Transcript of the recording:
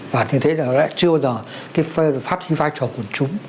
và như thế đã chưa bao giờ phát huy vai trò quần chúng